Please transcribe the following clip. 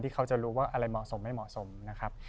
เขาจะรู้ว่าอะไรเหมาะสมไม่เหมาะสมนะครับ